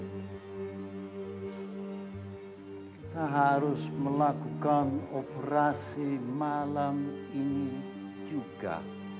kita harus melakukan operasi malam ini juga